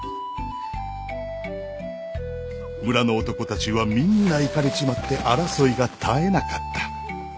村の男たちはみんないかれちまって争いが絶えなかった。